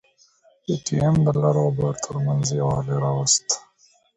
پي ټي ايم د لر او بر ترمنځ يووالي راوست.